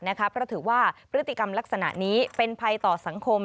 เพราะถือว่าพฤติกรรมลักษณะนี้เป็นภัยต่อสังคม